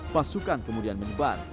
pasukan kemudian menyebar